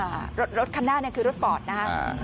อ่ารถรถคันนั้นเนี่ยคือรถปอดนะฮะอ่า